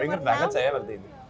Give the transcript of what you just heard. oh ingat banget saya berarti